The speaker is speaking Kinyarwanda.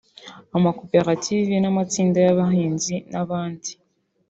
amakoperative n’amatsinda y’abahinzi n’abandi